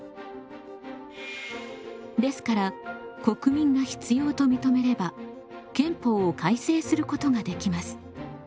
ですから国民が必要と認めれば憲法を改正することができます。